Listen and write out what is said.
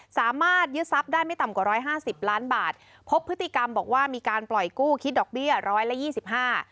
สามารถยึดทรัพย์ได้ไม่ต่ำกว่าร้อยห้าสิบล้านบาทพบพฤติกรรมบอกว่ามีการปล่อยกู้คิดดอกเบี้ยร้อยละยี่สิบห้า